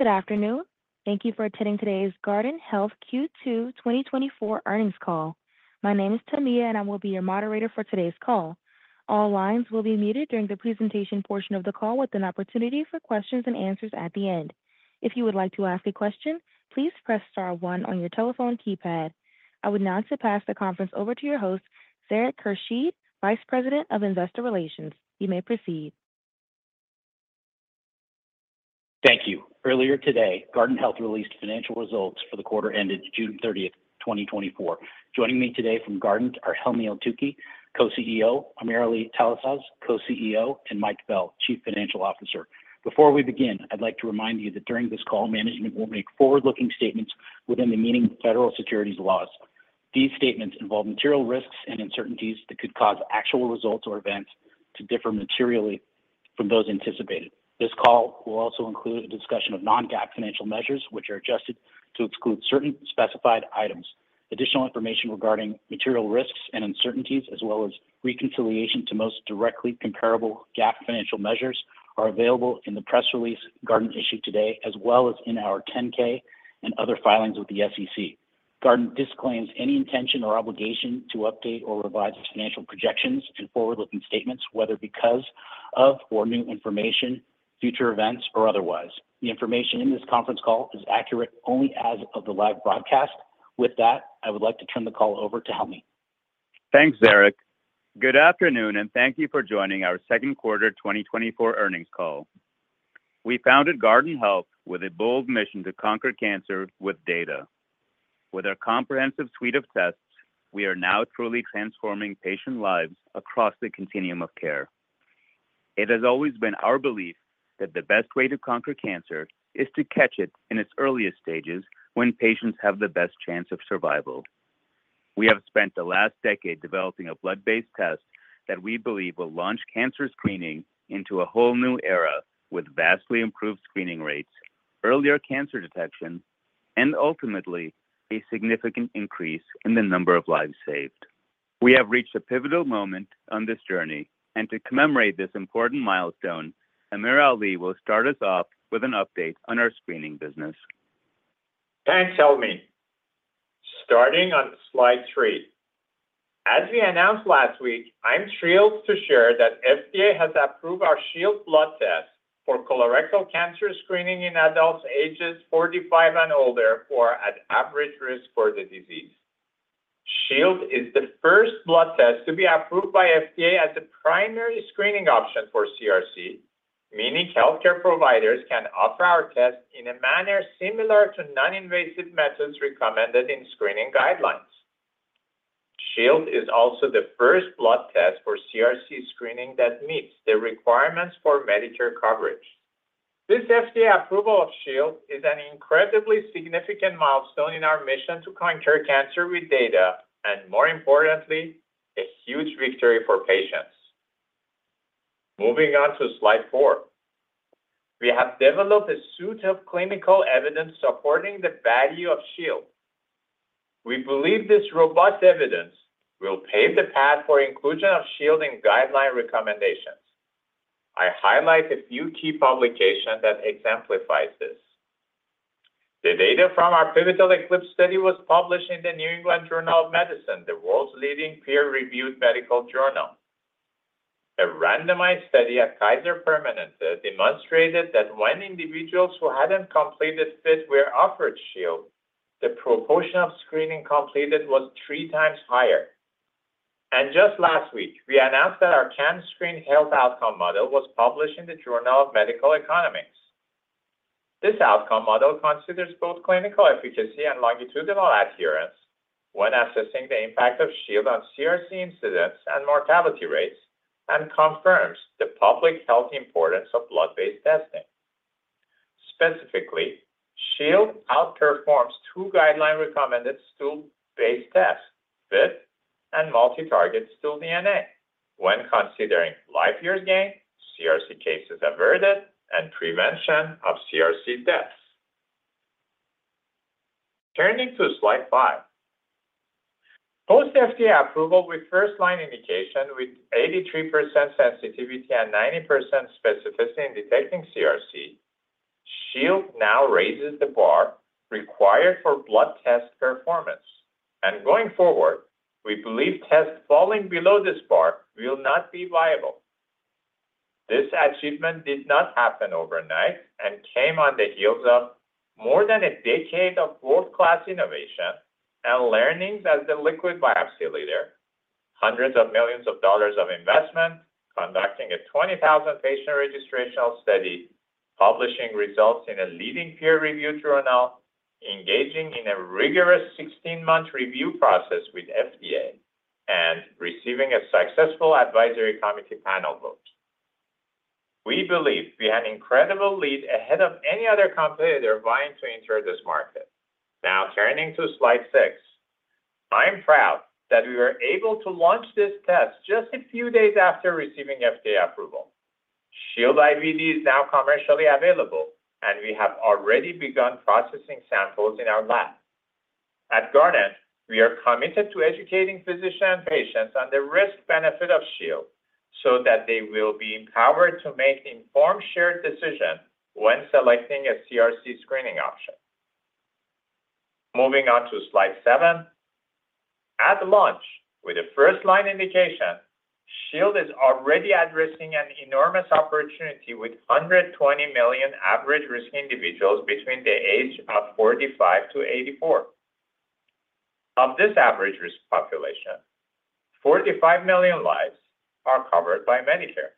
Good afternoon. Thank you for attending today's Guardant Health Q2 2024 earnings call. My name is Tamia, and I will be your moderator for today's call. All lines will be muted during the presentation portion of the call, with an opportunity for questions and answers at the end. If you would like to ask a question, please press star one on your telephone keypad. I would now pass the conference over to your host, Zarak Khurshid, Vice President of Investor Relations. You may proceed. Thank you. Earlier today, Guardant Health released financial results for the quarter ended June 30th, 2024. Joining me today from Guardant are Helmy Eltoukhy, Co-CEO, AmirAli Talasaz, Co-CEO, and Mike Bell, Chief Financial Officer. Before we begin, I'd like to remind you that during this call, management will make forward-looking statements within the meaning of federal securities laws. These statements involve material risks and uncertainties that could cause actual results or events to differ materially from those anticipated. This call will also include a discussion of non-GAAP financial measures, which are adjusted to exclude certain specified items. Additional information regarding material risks and uncertainties, as well as reconciliation to most directly comparable GAAP financial measures, are available in the press release Guardant issued today, as well as in our 10-K and other filings with the SEC. Guardant disclaims any intention or obligation to update or revise its financial projections and forward-looking statements, whether because of warning information, future events, or otherwise. The information in this conference call is accurate only as of the live broadcast. With that, I would like to turn the call over to Helmy. Thanks, Zarak. Good afternoon, and thank you for joining our second quarter 2024 earnings call. We founded Guardant Health with a bold mission to conquer cancer with data. With our comprehensive suite of tests, we are now truly transforming patient lives across the continuum of care. It has always been our belief that the best way to conquer cancer is to catch it in its earliest stages, when patients have the best chance of survival. We have spent the last decade developing a blood-based test that we believe will launch cancer screening into a whole new era with vastly improved screening rates, earlier cancer detection, and ultimately a significant increase in the number of lives saved. We have reached a pivotal moment on this journey, and to commemorate this important milestone, AmirAli will start us off with an update on our screening business. Thanks, Helmy. Starting on slide 3, as we announced last week, I'm thrilled to share that FDA has approved our Shield blood test for colorectal cancer screening in adults ages 45 and older who are at average risk for the disease. Shield is the first blood test to be approved by FDA as a primary screening option for CRC, meaning healthcare providers can offer our test in a manner similar to non-invasive methods recommended in screening guidelines. Shield is also the first blood test for CRC screening that meets the requirements for Medicare coverage. This FDA approval of Shield is an incredibly significant milestone in our mission to conquer cancer with data, and more importantly, a huge victory for patients. Moving on to slide 4, we have developed a suite of clinical evidence supporting the value of Shield. We believe this robust evidence will pave the path for inclusion of Shield in guideline recommendations. I highlighted a key publication that exemplifies this. The data from our pivotal ECLIPSE study was published in the New England Journal of Medicine, the world's leading peer-reviewed medical journal. A randomized study at Kaiser Permanente demonstrated that when individuals who hadn't completed FIT were offered Shield, the proportion of screening completed was 3 times higher. Just last week, we announced that our CAM-SCREEN health outcome model was published in the Journal of Medical Economics. This outcome model considers both clinical efficacy and longitudinal adherence when assessing the impact of Shield on CRC incidents and mortality rates, and confirms the public health importance of blood-based testing. Specifically, Shield outperforms two guideline-recommended stool-based tests, FIT and multi-target stool DNA, when considering life-year gain, CRC cases averted, and prevention of CRC deaths. Turning to slide 5, post-FDA approval with first-line indication with 83% sensitivity and 90% specificity in detecting CRC, Shield now raises the bar required for blood test performance. Going forward, we believe tests falling below this bar will not be viable. This achievement did not happen overnight and came on the heels of more than a decade of world-class innovation and learnings as the liquid biopsy leader, $hundreds of millions of investment, conducting a 20,000-patient registration study, publishing results in a leading peer-reviewed journal, engaging in a rigorous 16-month review process with FDA, and receiving a successful advisory committee panel vote. We believe we had incredible lead ahead of any other competitor vying to enter this market. Now, turning to slide 6, I'm proud that we were able to launch this test just a few days after receiving FDA approval. Shield IVD is now commercially available, and we have already begun processing samples in our lab. At Guardant, we are committed to educating physicians and patients on the risk-benefit of Shield so that they will be empowered to make informed shared decisions when selecting a CRC screening option. Moving on to slide 7, at launch with the first-line indication, Shield is already addressing an enormous opportunity with 120 million average-risk individuals between the age of 45 to 84. Of this average-risk population, 45 million lives are covered by Medicare.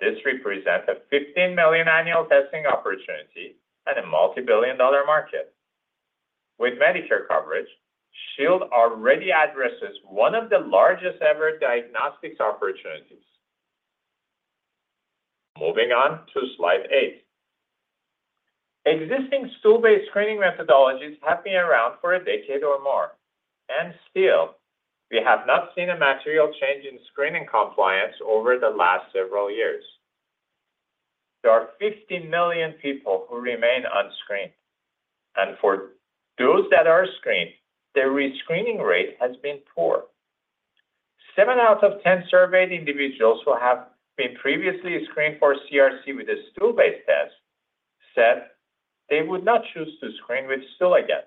This represents a 15 million annual testing opportunity at a multi-billion dollar market. With Medicare coverage, Shield already addresses one of the largest ever diagnostics opportunities. Moving on to slide 8, existing stool-based screening methodologies have been around for a decade or more, and still, we have not seen a material change in screening compliance over the last several years. There are 50 million people who remain unscreened, and for those that are screened, their rescreening rate has been poor. 7 out of 10 surveyed individuals who have been previously screened for CRC with a stool-based test said they would not choose to screen with stool again.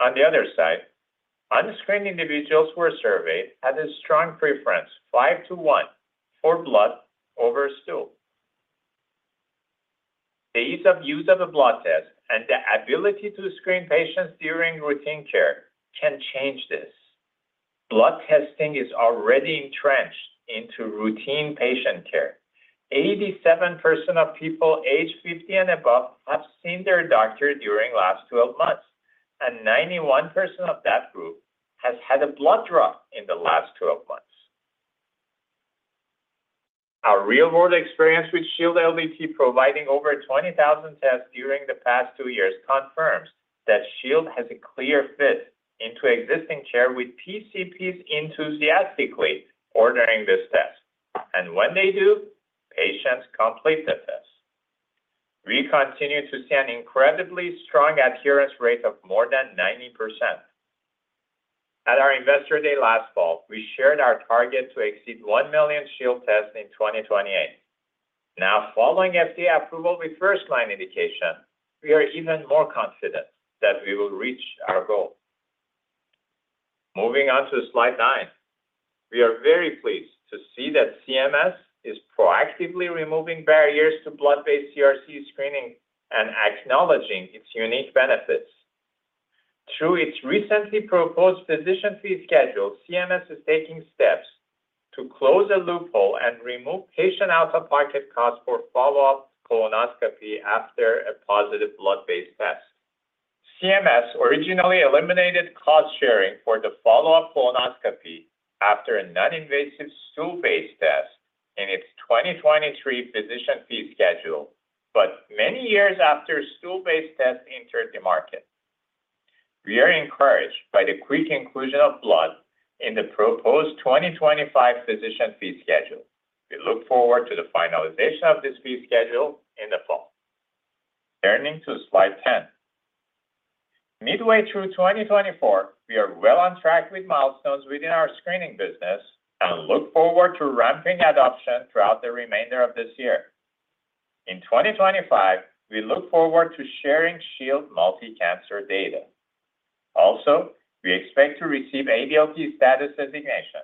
On the other side, unscreened individuals who were surveyed had a strong preference 5 to 1 for blood over stool. The ease of use of a blood test and the ability to screen patients during routine care can change this. Blood testing is already entrenched into routine patient care. 87% of people age 50 and above have seen their doctor during the last 12 months, and 91% of that group has had a blood draw in the last 12 months. Our real-world experience with Shield LDT providing over 20,000 tests during the past 2 years confirms that Shield has a clear fit into existing care with PCPs enthusiastically ordering this test. When they do, patients complete the test. We continue to see an incredibly strong adherence rate of more than 90%. At our Investor Day last fall, we shared our target to exceed 1 million Shield tests in 2028. Now, following FDA approval with first-line indication, we are even more confident that we will reach our goal. Moving on to slide 9, we are very pleased to see that CMS is proactively removing barriers to blood-based CRC screening and acknowledging its unique benefits. Through its recently proposed physician fee schedule, CMS is taking steps to close a loophole and remove patient out-of-pocket costs for follow-up colonoscopy after a positive blood-based test. CMS originally eliminated cost sharing for the follow-up colonoscopy after a non-invasive stool-based test in its 2023 physician fee schedule, but many years after stool-based tests entered the market. We are encouraged by the quick inclusion of blood in the proposed 2025 physician fee schedule. We look forward to the finalization of this fee schedule in the fall. Turning to slide 10, midway through 2024, we are well on track with milestones within our screening business and look forward to ramping adoption throughout the remainder of this year. In 2025, we look forward to sharing Shield multi-cancer data. Also, we expect to receive ADLT status designation.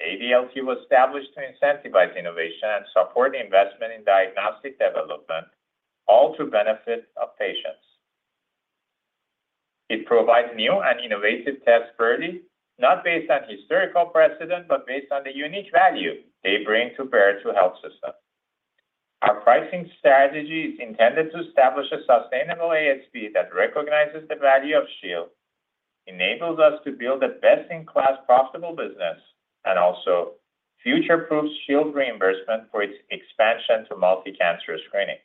ADLT was established to incentivize innovation and support investment in diagnostic development, all to benefit patients. It provides new and innovative tests early, not based on historical precedent, but based on the unique value they bring to the health system. Our pricing strategy is intended to establish a sustainable ASP that recognizes the value of Shield, enables us to build the best-in-class profitable business, and also future-proofs Shield reimbursement for its expansion to multi-cancer screening.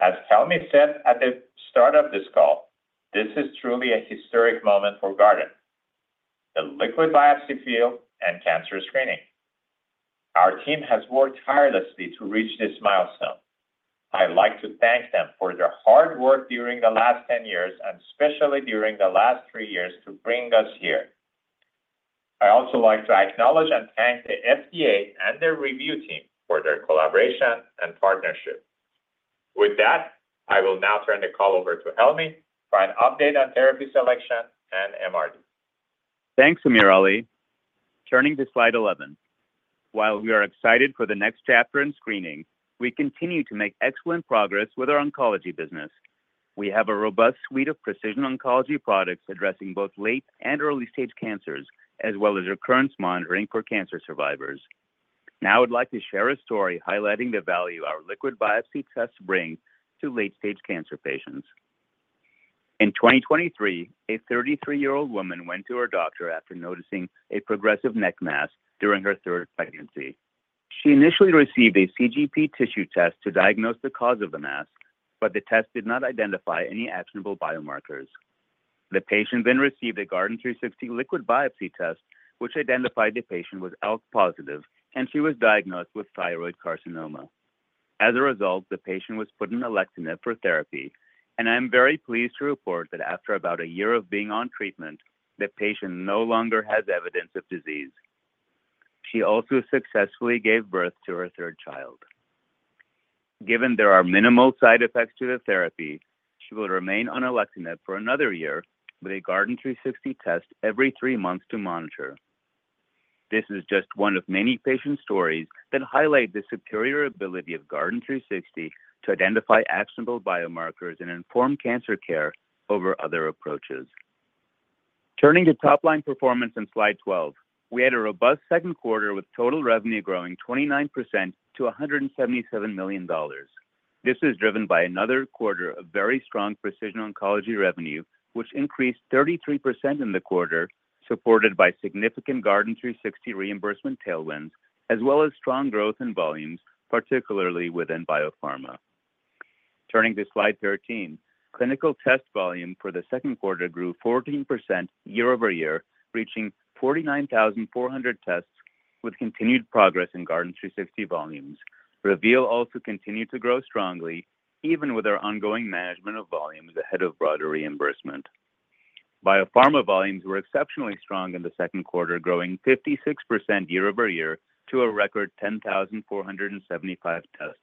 As Helmy said at the start of this call, this is truly a historic moment for Guardant: the liquid biopsy field and cancer screening. Our team has worked tirelessly to reach this milestone. I'd like to thank them for their hard work during the last 10 years, and especially during the last 3 years to bring us here. I also like to acknowledge and thank the FDA and their review team for their collaboration and partnership. With that, I will now turn the call over to Helmy for an update on therapy selection and MRD. Thanks, AmirAli. Turning to slide 11, while we are excited for the next chapter in screening, we continue to make excellent progress with our oncology business. We have a robust suite of precision oncology products addressing both late and early-stage cancers, as well as recurrence monitoring for cancer survivors. Now, I'd like to share a story highlighting the value our liquid biopsy tests bring to late-stage cancer patients. In 2023, a 33-year-old woman went to her doctor after noticing a progressive neck mass during her third pregnancy. She initially received a CGP tissue test to diagnose the cause of the mass, but the test did not identify any actionable biomarkers. The patient then received a Guardant360 liquid biopsy test, which identified the patient was ALK positive, and she was diagnosed with thyroid carcinoma. As a result, the patient was put on Alectinib for therapy, and I am very pleased to report that after about a year of being on treatment, the patient no longer has evidence of disease. She also successfully gave birth to her third child. Given there are minimal side effects to the therapy, she will remain on Alectinib for another year with a Guardant360 test every three months to monitor. This is just one of many patient stories that highlight the superior ability of Guardant360 to identify actionable biomarkers and inform cancer care over other approaches. Turning to top-line performance in slide 12, we had a robust second quarter with total revenue growing 29% to $177 million. This is driven by another quarter of very strong precision oncology revenue, which increased 33% in the quarter, supported by significant Guardant360 reimbursement tailwinds, as well as strong growth in volumes, particularly within biopharma. Turning to slide 13, clinical test volume for the second quarter grew 14% year-over-year, reaching 49,400 tests with continued progress in Guardant360 volumes. Reveal also continued to grow strongly, even with our ongoing management of volumes ahead of broader reimbursement. Biopharma volumes were exceptionally strong in the second quarter, growing 56% year-over-year to a record 10,475 tests.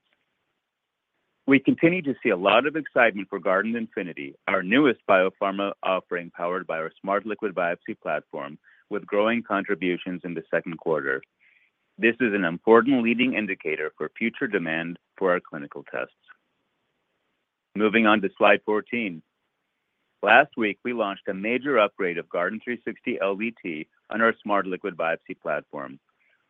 We continue to see a lot of excitement for Guardant Infinity, our newest biopharma offering powered by our Smart Liquid Biopsy platform, with growing contributions in the second quarter. This is an important leading indicator for future demand for our clinical tests. Moving on to slide 14, last week, we launched a major upgrade of Guardant360 LDT on our Smart Liquid Biopsy platform.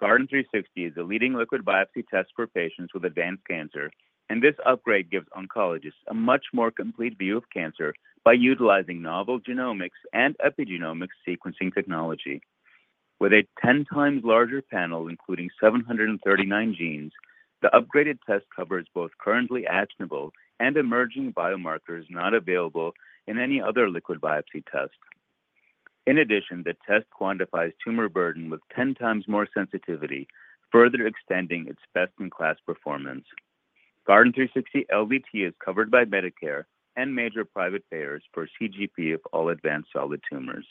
Guardant360 is a leading liquid biopsy test for patients with advanced cancer, and this upgrade gives oncologists a much more complete view of cancer by utilizing novel genomics and epigenomics sequencing technology. With a 10 times larger panel including 739 genes, the upgraded test covers both currently actionable and emerging biomarkers not available in any other liquid biopsy test. In addition, the test quantifies tumor burden with 10 times more sensitivity, further extending its best-in-class performance. Guardant360 LDT is covered by Medicare and major private payers for CGP of all advanced solid tumors.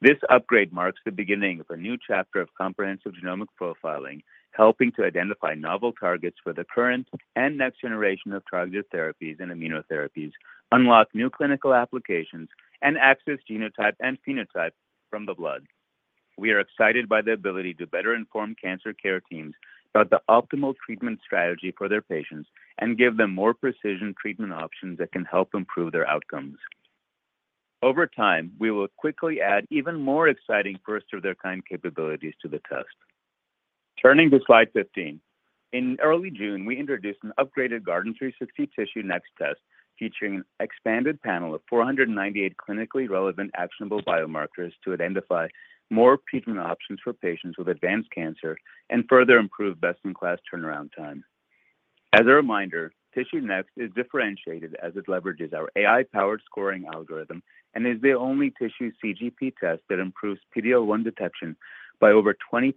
This upgrade marks the beginning of a new chapter of comprehensive genomic profiling, helping to identify novel targets for the current and next generation of targeted therapies and immunotherapies, unlock new clinical applications, and access genotype and phenotype from the blood. We are excited by the ability to better inform cancer care teams about the optimal treatment strategy for their patients and give them more precision treatment options that can help improve their outcomes. Over time, we will quickly add even more exciting first-of-their-kind capabilities to the test. Turning to slide 15, in early June, we introduced an upgraded Guardant360 TissueNext test featuring an expanded panel of 498 clinically relevant actionable biomarkers to identify more treatment options for patients with advanced cancer and further improve best-in-class turnaround time. As a reminder, TissueNext is differentiated as it leverages our AI-powered scoring algorithm and is the only tissue CGP test that improves PD-L1 detection by over 20%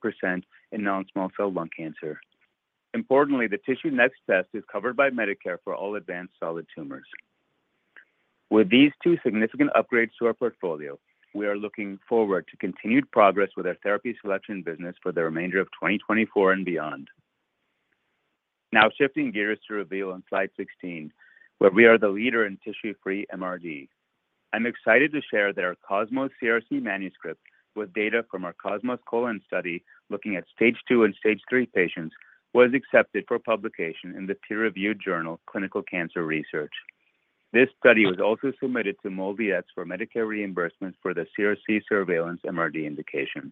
in non-small cell lung cancer. Importantly, the TissueNext test is covered by Medicare for all advanced solid tumors. With these two significant upgrades to our portfolio, we are looking forward to continued progress with our therapy selection business for the remainder of 2024 and beyond. Now, shifting gears to Reveal on slide 16, where we are the leader in tissue-free MRD. I'm excited to share that our COSMOS-CRC manuscript with data from our COSMOS colon study looking at stage 2 and stage 3 patients was accepted for publication in the peer-reviewed journal Clinical Cancer Research. This study was also submitted to MolDX for Medicare reimbursements for the CRC surveillance MRD indication.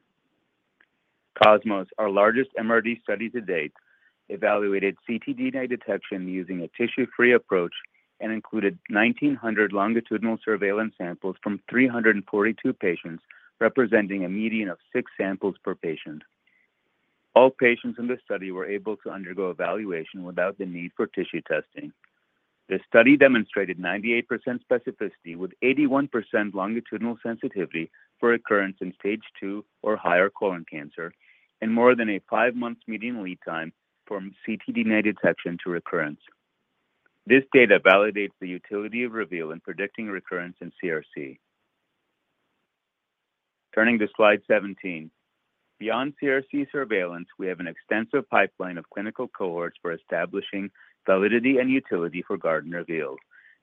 COSMOS, our largest MRD study to date, evaluated ctDNA detection using a tissue-free approach and included 1,900 longitudinal surveillance samples from 342 patients, representing a median of six samples per patient. All patients in the study were able to undergo evaluation without the need for tissue testing. The study demonstrated 98% specificity with 81% longitudinal sensitivity for occurrence in stage two or higher colon cancer and more than a five-month median lead time from ctDNA detection to recurrence. This data validates the utility of Reveal in predicting recurrence in CRC. Turning to slide 17, beyond CRC surveillance, we have an extensive pipeline of clinical cohorts for establishing validity and utility for Guardant Reveal.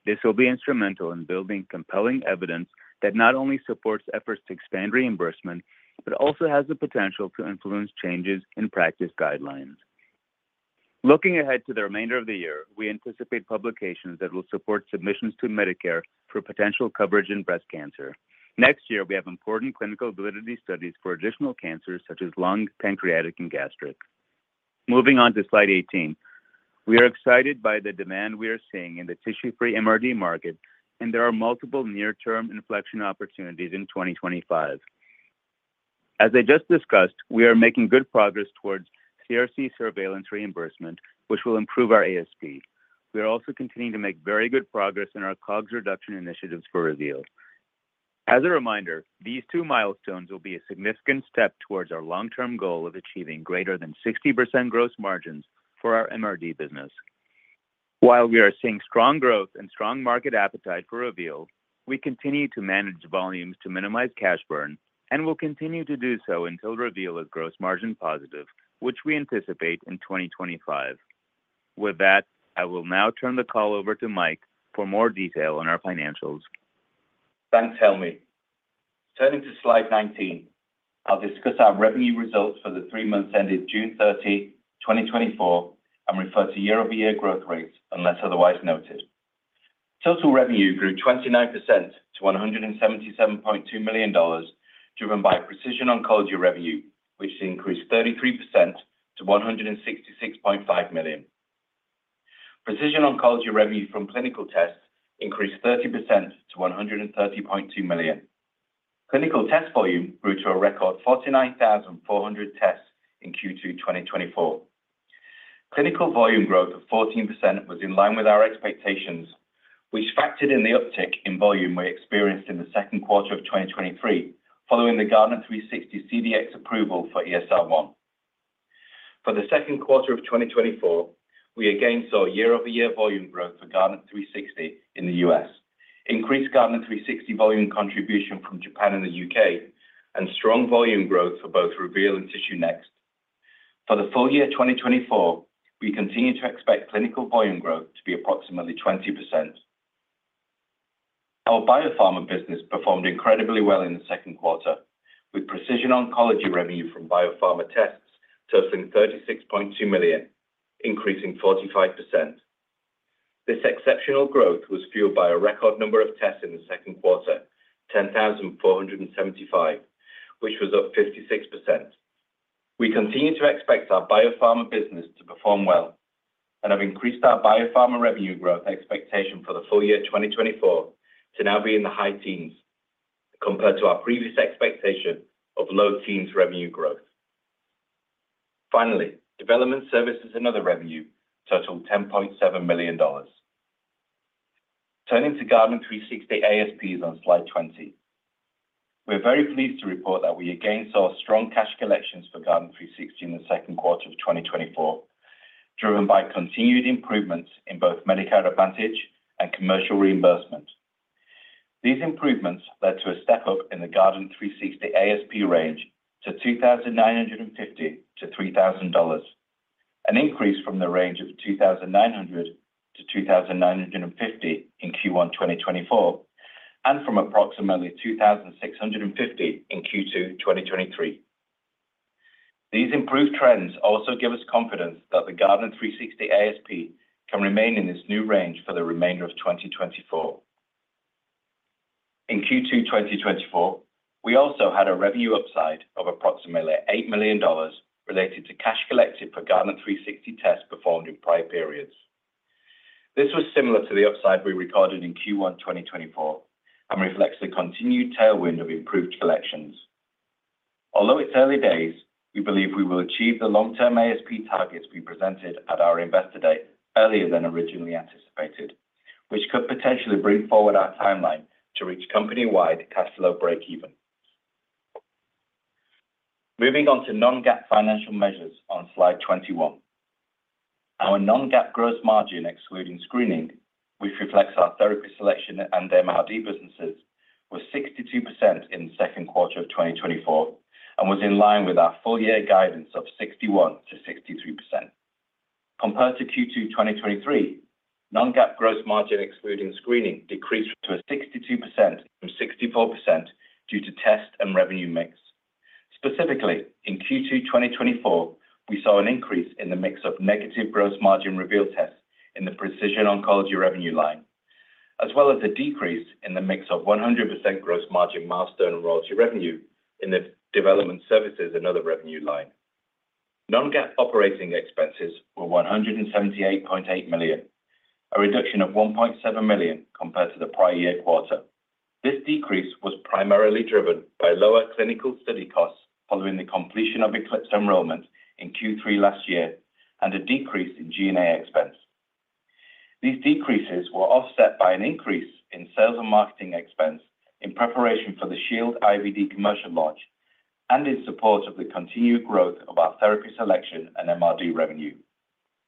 This will be instrumental in building compelling evidence that not only supports efforts to expand reimbursement, but also has the potential to influence changes in practice guidelines. Looking ahead to the remainder of the year, we anticipate publications that will support submissions to Medicare for potential coverage in breast cancer. Next year, we have important clinical validity studies for additional cancers such as lung, pancreatic, and gastric. Moving on to slide 18, we are excited by the demand we are seeing in the tissue-free MRD market, and there are multiple near-term inflection opportunities in 2025. As I just discussed, we are making good progress towards CRC surveillance reimbursement, which will improve our ASV. We are also continuing to make very good progress in our COGS reduction initiatives for Reveal. As a reminder, these two milestones will be a significant step towards our long-term goal of achieving greater than 60% gross margins for our MRD business. While we are seeing strong growth and strong market appetite for Reveal, we continue to manage volumes to minimize cash burn, and we'll continue to do so until Reveal is gross margin positive, which we anticipate in 2025. With that, I will now turn the call over to Mike for more detail on our financials. Thanks, Helmy. Turning to slide 19, I'll discuss our revenue results for the three months ended June 30, 2024, and refer to year-over-year growth rates unless otherwise noted. Total revenue grew 29% to $177.2 million, driven by precision oncology revenue, which increased 33% to $166.5 million. Precision oncology revenue from clinical tests increased 30% to $130.2 million. Clinical test volume grew to a record 49,400 tests in Q2 2024. Clinical volume growth of 14% was in line with our expectations, which factored in the uptick in volume we experienced in the second quarter of 2023, following the Guardant360 CDx approval for ESR1. For the second quarter of 2024, we again saw year-over-year volume growth for Guardant360 in the U.S., increased Guardant360 volume contribution from Japan and the U.K., and strong volume growth for both Reveal and TissueNext. For the full year 2024, we continue to expect clinical volume growth to be approximately 20%. Our biopharma business performed incredibly well in the second quarter, with precision oncology revenue from biopharma tests totaling $36.2 million, increasing 45%. This exceptional growth was fueled by a record number of tests in the second quarter, 10,475, which was up 56%. We continue to expect our biopharma business to perform well and have increased our biopharma revenue growth expectation for the full year 2024 to now be in the high teens, compared to our previous expectation of low teens revenue growth. Finally, development services and other revenue, totaling $10.7 million. Turning to Guardant360 ASPs on slide 20, we're very pleased to report that we again saw strong cash collections for Guardant360 in the second quarter of 2024, driven by continued improvements in both Medicare Advantage and commercial reimbursement. These improvements led to a step up in the Guardant360 ASP range to $2,950-$3,000, an increase from the range of $2,900-$2,950 in Q1 2024 and from approximately $2,650 in Q2 2023. These improved trends also give us confidence that the Guardant360 ASP can remain in this new range for the remainder of 2024. In Q2 2024, we also had a revenue upside of approximately $8 million related to cash collected for Guardant360 tests performed in prior periods. This was similar to the upside we recorded in Q1 2024 and reflects the continued tailwind of improved collections. Although it's early days, we believe we will achieve the long-term ASP targets we presented at our Investor Day earlier than originally anticipated, which could potentially bring forward our timeline to reach company-wide cash flow breakeven. Moving on to non-GAAP financial measures on slide 21, our non-GAAP gross margin excluding screening, which reflects our therapy selection and MRD businesses, was 62% in the second quarter of 2024 and was in line with our full year guidance of 61%-63%. Compared to Q2 2023, non-GAAP gross margin excluding screening decreased to a 62% from 64% due to test and revenue mix. Specifically, in Q2 2024, we saw an increase in the mix of negative gross margin Reveal tests in the precision oncology revenue line, as well as the decrease in the mix of 100% gross margin milestone and loyalty revenue in the development services and other revenue line. Non-GAAP operating expenses were $178.8 million, a reduction of $1.7 million compared to the prior year quarter. This decrease was primarily driven by lower clinical study costs following the completion of ECLIPSE enrollment in Q3 last year and a decrease in G&A expense. These decreases were offset by an increase in sales and marketing expense in preparation for the Shield IVD commercial launch and in support of the continued growth of our therapy selection and MRD revenue.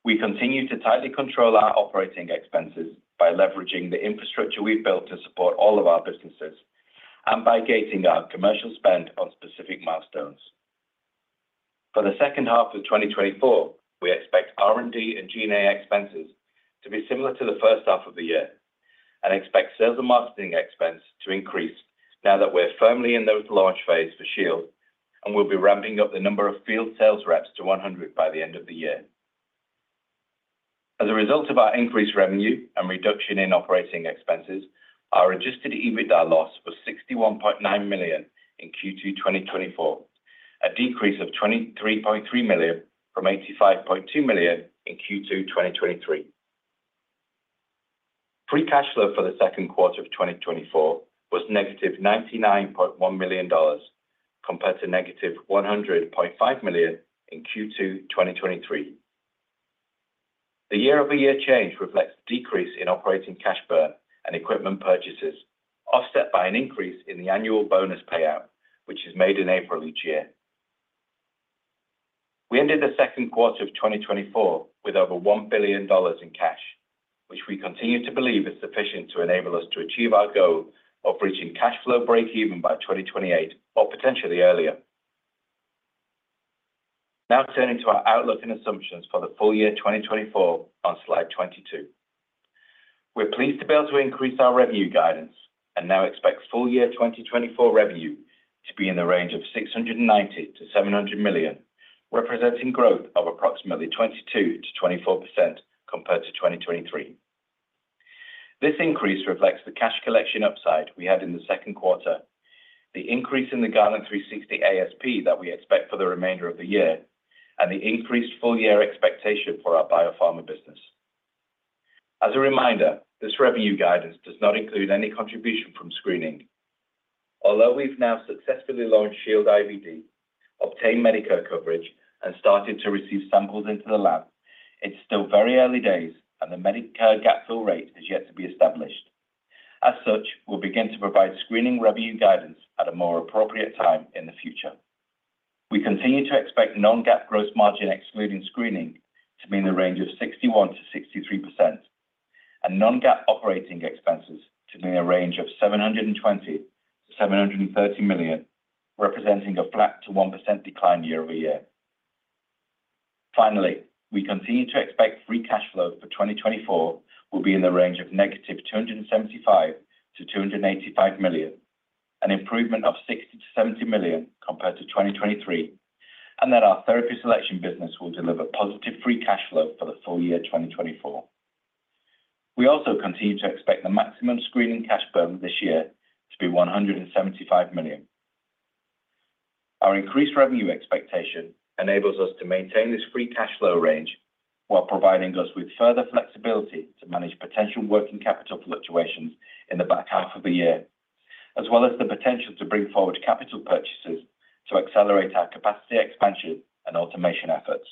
We continue to tightly control our operating expenses by leveraging the infrastructure we've built to support all of our businesses and by gating our commercial spend on specific milestones. For the second half of 2024, we expect R&D and G&A expenses to be similar to the first half of the year and expect sales and marketing expense to increase now that we're firmly in the launch phase for Shield and we'll be ramping up the number of field sales reps to 100 by the end of the year. As a result of our increased revenue and reduction in operating expenses, our adjusted EBITDA loss was $61.9 million in Q2 2024, a decrease of $23.3 million from $85.2 million in Q2 2023. Free cash flow for the second quarter of 2024 was negative $99.1 million compared to negative $100.5 million in Q2 2023. The year-over-year change reflects decrease in operating cash burn and equipment purchases, offset by an increase in the annual bonus payout, which is made in April each year. We ended the second quarter of 2024 with over $1 billion in cash, which we continue to believe is sufficient to enable us to achieve our goal of reaching cash flow breakeven by 2028 or potentially earlier. Now, turning to our outlook and assumptions for the full year 2024 on slide 22, we're pleased to be able to increase our revenue guidance and now expect full year 2024 revenue to be in the range of $690-$700 million, representing growth of approximately 22%-24% compared to 2023. This increase reflects the cash collection upside we had in the second quarter, the increase in the Guardant360 ASP that we expect for the remainder of the year, and the increased full year expectation for our biopharma business. As a reminder, this revenue guidance does not include any contribution from screening. Although we've now successfully launched Shield IVD, obtained Medicare coverage, and started to receive samples into the lab, it's still very early days, and the Medicare gapfill rate is yet to be established. As such, we'll begin to provide screening revenue guidance at a more appropriate time in the future. We continue to expect non-GAAP gross margin excluding screening to be in the range of 61%-63%, and non-GAAP operating expenses to be in the range of $720 million-$730 million, representing a flat to 1% decline year-over-year. Finally, we continue to expect free cash flow for 2024 will be in the range of -$275 million to -$285 million, an improvement of $60-$70 million compared to 2023, and that our therapy selection business will deliver positive free cash flow for the full year 2024. We also continue to expect the maximum screening cash burn this year to be $175 million. Our increased revenue expectation enables us to maintain this free cash flow range while providing us with further flexibility to manage potential working capital fluctuations in the back half of the year, as well as the potential to bring forward capital purchases to accelerate our capacity expansion and automation efforts.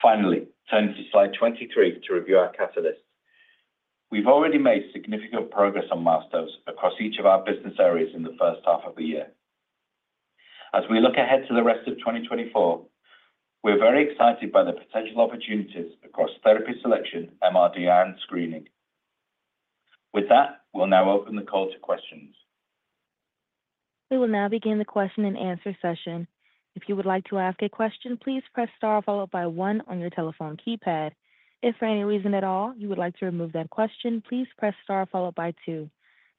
Finally, turning to slide 23 to review our catalyst, we've already made significant progress on milestones across each of our business areas in the first half of the year. As we look ahead to the rest of 2024, we're very excited by the potential opportunities across therapy selection, MRD, and screening. With that, we'll now open the call to questions. We will now begin the question and answer session. If you would like to ask a question, please press star followed by one on your telephone keypad. If for any reason at all you would like to remove that question, please press star followed by two.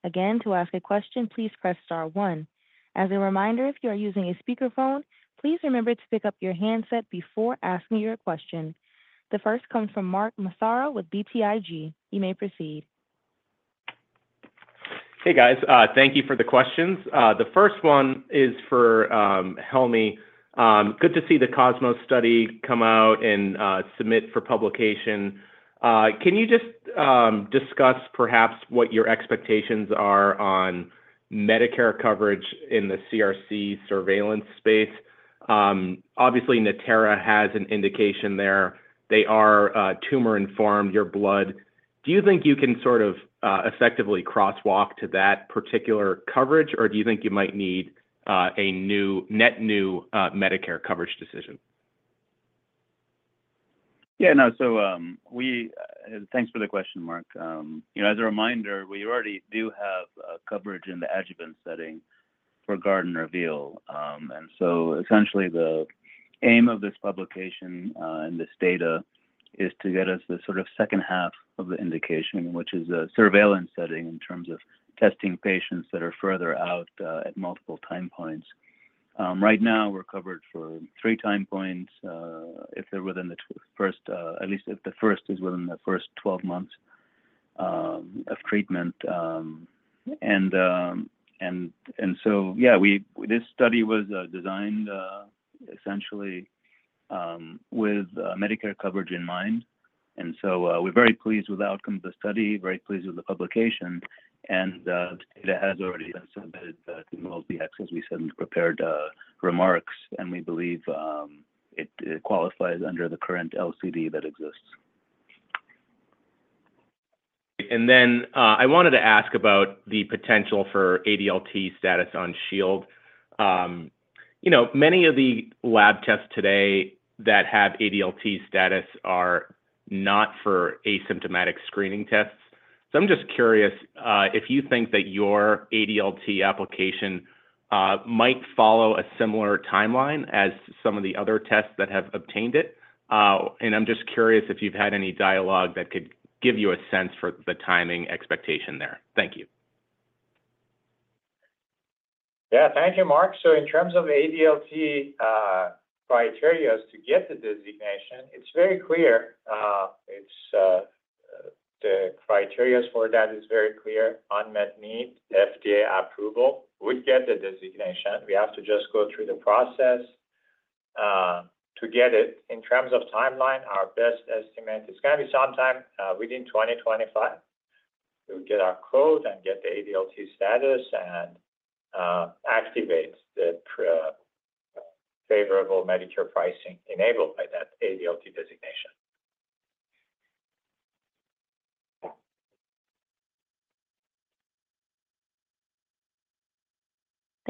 Again, to ask a question, please press star one. As a reminder, if you are using a speakerphone, please remember to pick up your handset before asking your question. The first comes from Mark Massaro with BTIG. You may proceed. Hey, guys. Thank you for the questions. The first one is for Helmy. Good to see the COSMOS study come out and submit for publication. Can you just discuss perhaps what your expectations are on Medicare coverage in the CRC surveillance space? Obviously, Natera has an indication there. They are tumor-informed, your blood. Do you think you can sort of effectively crosswalk to that particular coverage, or do you think you might need a new, net new Medicare coverage decision? Yeah, no, so thanks for the question, Mark. You know, as a reminder, we already do have coverage in the adjuvant setting for Guardant Reveal. And so essentially, the aim of this publication and this data is to get us the sort of second half of the indication, which is a surveillance setting in terms of testing patients that are further out at multiple time points. Right now, we're covered for three time points if they're within the first, at least if the first is within the first 12 months of treatment. And so, yeah, this study was designed essentially with Medicare coverage in mind. And so we're very pleased with the outcome of the study, very pleased with the publication, and the data has already been submitted to MolDX. We said we prepared remarks, and we believe it qualifies under the current LCD that exists. And then I wanted to ask about the potential for ADLT status on Shield. You know, many of the lab tests today that have ADLT status are not for asymptomatic screening tests. So I'm just curious if you think that your ADLT application might follow a similar timeline as some of the other tests that have obtained it. And I'm just curious if you've had any dialogue that could give you a sense for the timing expectation there. Thank you. Yeah, thank you, Mark. So in terms of ADLT criteria to get the designation, it's very clear. The criteria for that is very clear: unmet need, FDA approval would get the designation. We have to just go through the process to get it. In terms of timeline, our best estimate, it's going to be sometime within 2025. We'll get our code and get the ADLT status and activate the favorable Medicare pricing enabled by that ADLT designation.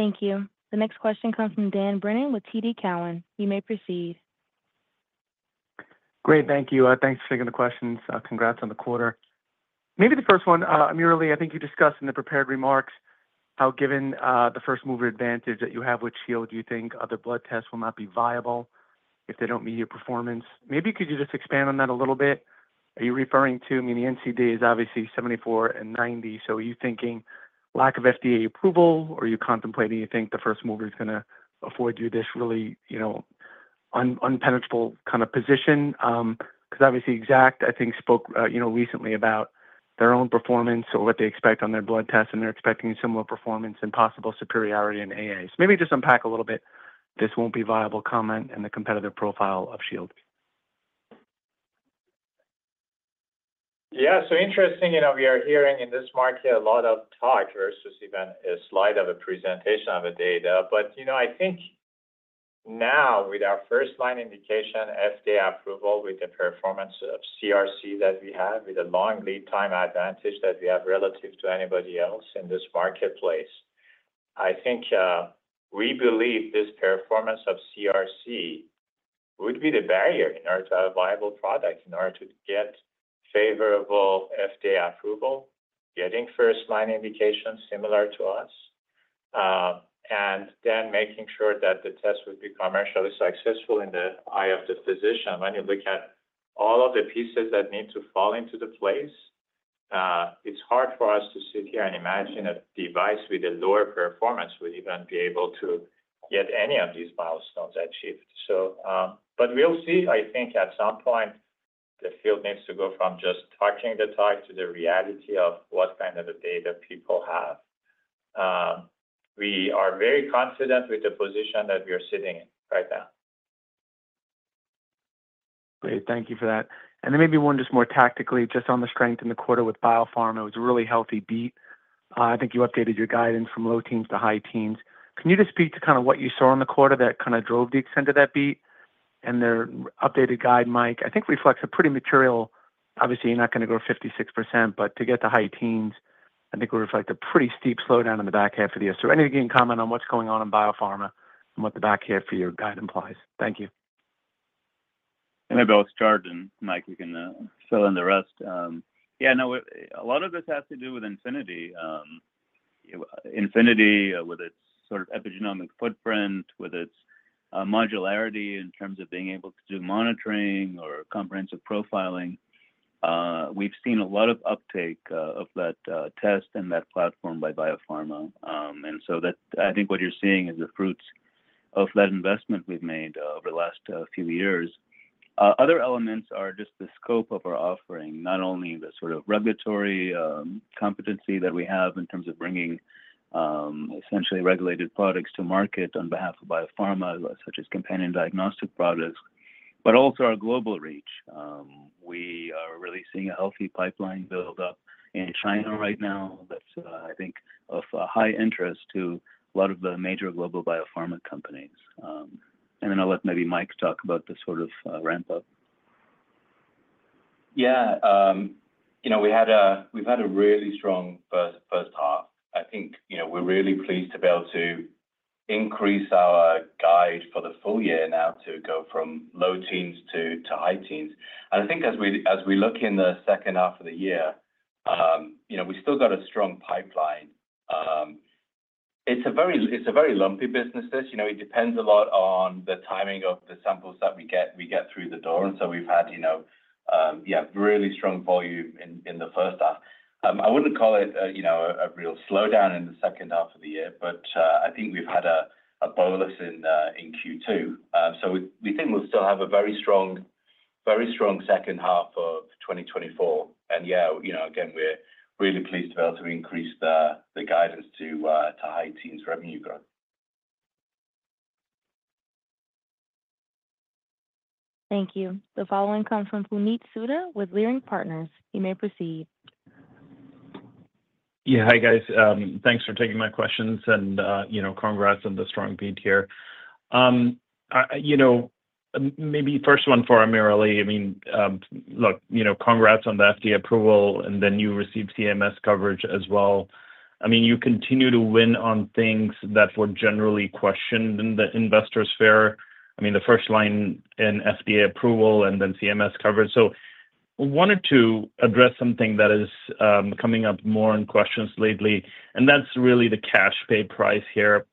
Thank you. The next question comes from Dan Brennan with TD Cowen. You may proceed. Great. Thank you. Thanks for taking the questions. Congrats on the quarter. Maybe the first one, AmirAli, I think you discussed in the prepared remarks how, given the first mover advantage that you have with Shield, you think other blood tests will not be viable if they don't meet your performance. Maybe could you just expand on that a little bit? Are you referring to, I mean, the NCD is obviously 74 and 90, so are you thinking lack of FDA approval, or are you contemplating, you think the first mover is going to afford you this really, you know, impenetrable kind of position? Because obviously, Exact, I think, spoke, you know, recently about their own performance or what they expect on their blood tests, and they're expecting similar performance and possible superiority in AA. So maybe just unpack a little bit this won't be viable comment and the competitive profile of Shield. Yeah, so interesting. You know, we are hearing in this market a lot of talk versus even a slide of a presentation of the data. But, you know, I think now with our first line indication, FDA approval, with the performance of CRC that we have, with the long lead time advantage that we have relative to anybody else in this marketplace, I think we believe this performance of CRC would be the barrier in order to have a viable product in order to get favorable FDA approval, getting first line indication similar to us, and then making sure that the test would be commercially successful in the eye of the physician. When you look at all of the pieces that need to fall into place, it's hard for us to sit here and imagine a device with a lower performance would even be able to get any of these milestones achieved. So, but we'll see. I think at some point, the field needs to go from just talking the talk to the reality of what kind of data people have. We are very confident with the position that we are sitting in right now. Great. Thank you for that. And then maybe one just more tactically, just on the strength in the quarter with biopharma, it was a really healthy beat. I think you updated your guidance from low teens to high teens. Can you just speak to kind of what you saw in the quarter that kind of drove the extent of that beat? And their updated guide, Mike, I think reflects a pretty material, obviously, you're not going to go 56%, but to get to high teens, I think it would reflect a pretty steep slowdown in the back half of the year. So anything you can comment on what's going on in biopharma and what the back half of your guide implies? Thank you. And I'll start, and Mike, you can fill in the rest. Yeah, no, a lot of this has to do with Infinity. Infinity, with its sort of epigenomic footprint, with its modularity in terms of being able to do monitoring or comprehensive profiling, we've seen a lot of uptake of that test and that platform by biopharma. And so that, I think what you're seeing is the fruits of that investment we've made over the last few years. Other elements are just the scope of our offering, not only the sort of regulatory competency that we have in terms of bringing essentially regulated products to market on behalf of biopharma, such as companion diagnostic products, but also our global reach. We are really seeing a healthy pipeline buildup in China right now that's, I think, of high interest to a lot of the major global biopharma companies. And then I'll let maybe Mike talk about the sort of ramp-up. Yeah, you know, we had a really strong first half. I think, you know, we're really pleased to be able to increase our guide for the full year now to go from low teens to high teens. I think as we look in the second half of the year, you know, we still got a strong pipeline. It's a very lumpy business. You know, it depends a lot on the timing of the samples that we get through the door. And so we've had, you know, yeah, really strong volume in the first half. I wouldn't call it, you know, a real slowdown in the second half of the year, but I think we've had a bonus in Q2. So we think we'll still have a very strong, very strong second half of 2024. And yeah, you know, again, we're really pleased to be able to increase the guidance to high teens revenue growth. Thank you. The following comes from Puneet Souda with Leerink Partners. You may proceed. Yeah, hi guys. Thanks for taking my questions and, you know, congrats on the strong beat here. You know, maybe first one for AmirAli. I mean, look, you know, congrats on the FDA approval and then you received CMS coverage as well. I mean, you continue to win on things that were generally questioned in the investors' fears. I mean, the first line in FDA approval and then CMS coverage. So I wanted to address something that is coming up more in questions lately, and that's really the cash pay price here,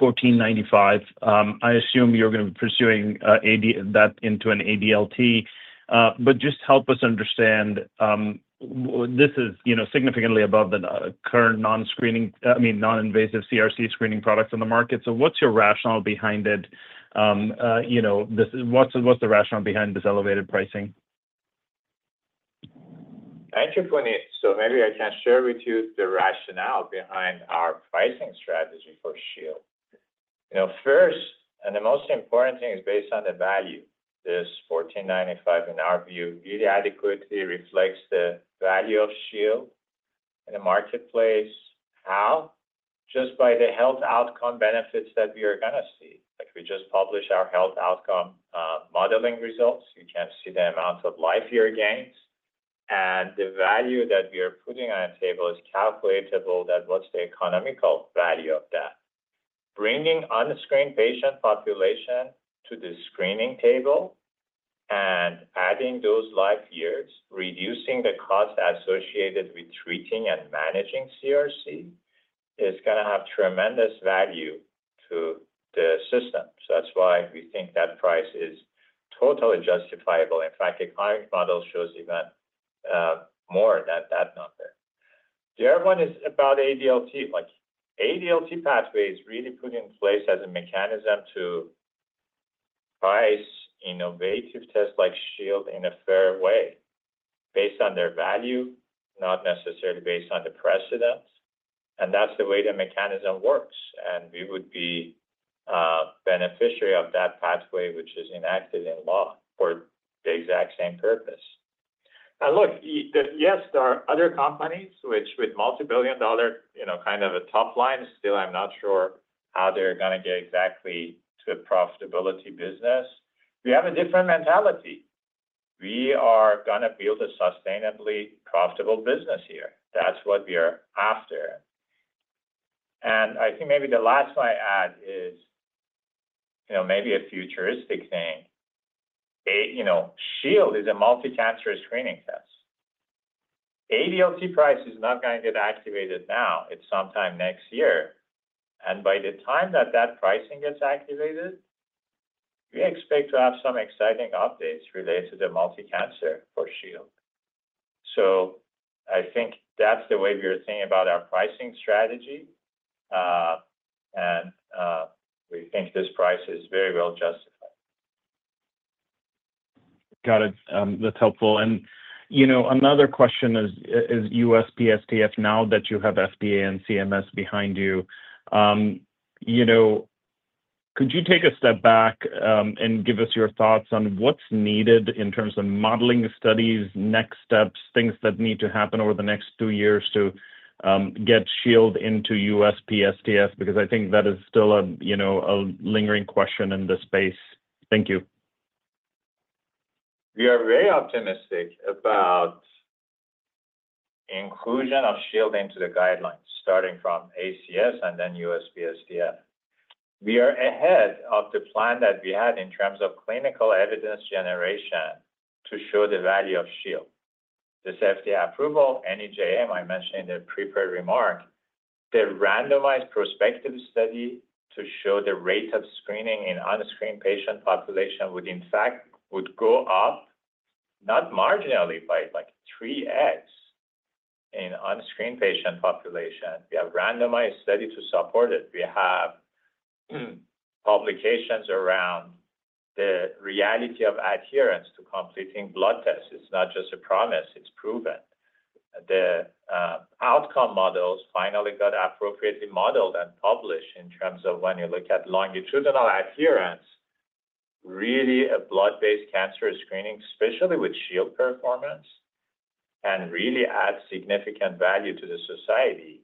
$14.95. I assume you're going to be pursuing that into an ADLT, but just help us understand this is, you know, significantly above the current non-screening, I mean, non-invasive CRC screening products on the market. So what's your rationale behind it? You know, what's the rationale behind this elevated pricing? I can point it. So maybe I can share with you the rationale behind our pricing strategy for Shield. You know, first, and the most important thing is based on the value. This $14.95, in our view, really adequately reflects the value of Shield in the marketplace. How? Just by the health outcome benefits that we are going to see. Like we just published our health outcome modeling results. You can see the amount of life year gains. The value that we are putting on the table is calculable—that's what's the economic value of that? Bringing the unscreened patient population to the screening table and adding those life years, reducing the cost associated with treating and managing CRC is going to have tremendous value to the system. So that's why we think that price is totally justifiable. In fact, the current model shows even more than that number. The other one is about ADLT. Like, ADLT pathways really put in place as a mechanism to price innovative tests like Shield in a fair way based on their value, not necessarily based on the precedent. And that's the way the mechanism works. And we would be beneficiary of that pathway, which is enacted in law for the exact same purpose. And look, yes, there are other companies which with multi-billion dollar, you know, kind of a top line, still I'm not sure how they're going to get exactly to a profitability business. We have a different mentality. We are going to build a sustainably profitable business here. That's what we are after. And I think maybe the last one I add is, you know, maybe a futuristic thing. You know, Shield is a multi-cancer screening test. ADLT price is not going to get activated now. It's sometime next year. And by the time that that pricing gets activated, we expect to have some exciting updates related to the multicancer for Shield. So I think that's the way we're thinking about our pricing strategy. And we think this price is very well justified. Got it. That's helpful. You know, another question is USPSTF now that you have FDA and CMS behind you. You know, could you take a step back and give us your thoughts on what's needed in terms of modeling studies, next steps, things that need to happen over the next two years to get Shield into USPSTF? Because I think that is still a, you know, a lingering question in the space. Thank you. We are very optimistic about inclusion of Shield into the guidelines, starting from ACS and then USPSTF. We are ahead of the plan that we had in terms of clinical evidence generation to show the value of Shield. This FDA approval, NEJM, I mentioned in the pre-pro remark, the randomized prospective study to show the rate of screening in unscreened patient population would, in fact, go up not marginally, but like 3x in unscreened patient population. We have randomized study to support it. We have publications around the reality of adherence to completing blood tests. It's not just a promise. It's proven. The outcome models finally got appropriately modeled and published in terms of when you look at longitudinal adherence, really a blood-based cancer screening, especially with Shield performance, can really add significant value to the society.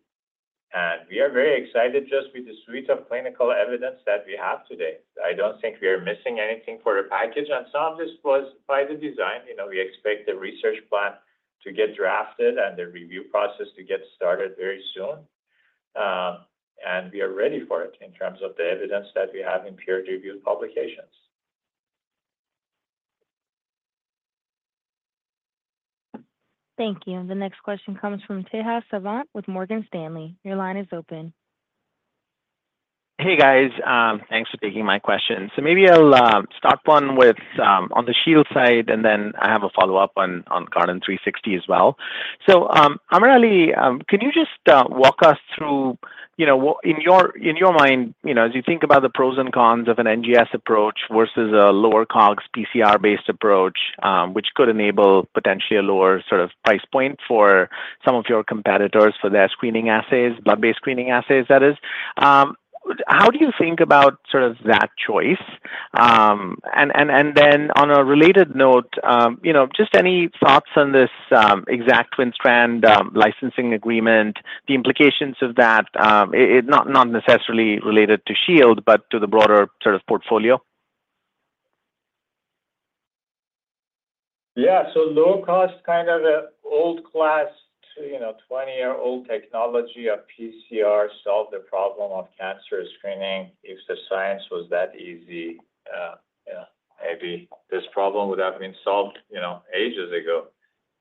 And we are very excited just with the suite of clinical evidence that we have today. I don't think we are missing anything for the package. And some of this was by the design. You know, we expect the research plan to get drafted and the review process to get started very soon. And we are ready for it in terms of the evidence that we have in peer-reviewed publications. Thank you. The next question comes from Tejal Savant with Morgan Stanley. Your line is open. Hey, guys. Thanks for taking my question. So maybe I'll start one with on the Shield side, and then I have a follow-up on Guardant360 as well. So, AmirAli, can you just walk us through, you know, in your mind, you know, as you think about the pros and cons of an NGS approach versus a lower COGS PCR-based approach, which could enable potentially a lower sort of price point for some of your competitors for their screening assays, blood-based screening assays, that is. How do you think about sort of that choice? And then on a related note, you know, just any thoughts on this Exact Sciences TwinStrand licensing agreement, the implications of that, not necessarily related to Shield, but to the broader sort of portfolio? Yeah, so low-cost kind of an old-class, you know, 20-year-old technology of PCR solved the problem of cancer screening if the science was that easy. Yeah, maybe this problem would have been solved, you know, ages ago.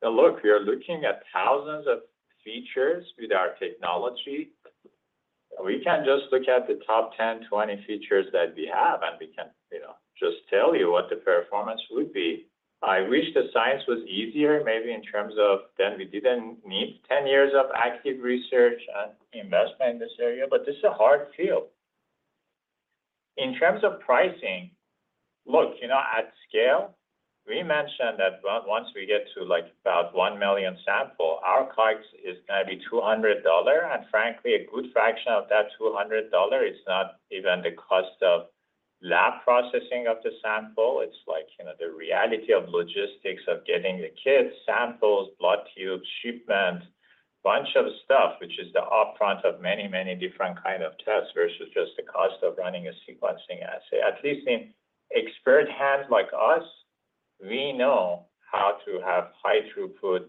Now look, we are looking at thousands of features with our technology. We can just look at the top 10, 20 features that we have, and we can, you know, just tell you what the performance would be. I wish the science was easier, maybe in terms of then we didn't need 10 years of active research and investment in this area, but this is a hard field. In terms of pricing, look, you know, at scale, we mentioned that once we get to like about 1 million samples, our COGS is going to be $200. And frankly, a good fraction of that $200 is not even the cost of lab processing of the sample. It's like, you know, the reality of logistics of getting the kits, samples, blood tubes, shipment, a bunch of stuff, which is the upfront of many, many different kinds of tests versus just the cost of running a sequencing assay. At least in expert hands like us, we know how to have high-throughput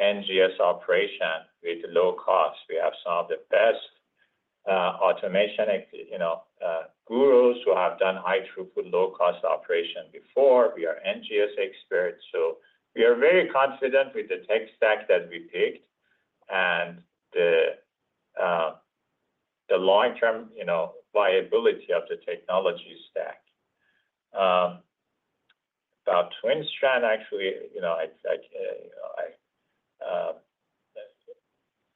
NGS operation with low costs. We have some of the best, automation, you know, gurus who have done high-throughput low-cost operation before. We are NGS experts. So we are very confident with the tech stack that we picked and the, the long-term, you know, viability of the technology stack. About TwinStrand, actually, you know,